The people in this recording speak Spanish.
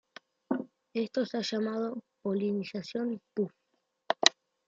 Esto se ha llamado "polinización puff".